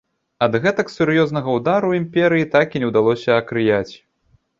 Ад гэтак сур'ёзнага ўдару імперыі так і не ўдалося акрыяць.